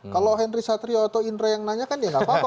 kalau henry satrio atau indra yang nanya kan ya nggak apa apa